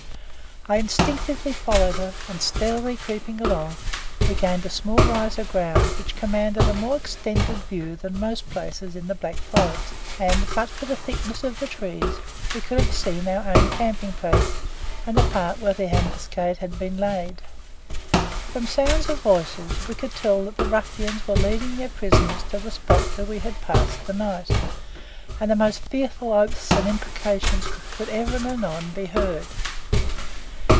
I instinctively followed her, and stealthily creeping along, we gained a small rise of ground which commanded a more extended view than most places in the Black Forest, and, but for the thickness of the trees, we could have seen our own camping place and the part where the ambuscade had been laid. From sounds of the voices, we could tell that the ruffians were leading their prisoners to the spot where we had passed the night, and the most fearful oaths and imprecations could ever and anon be heard.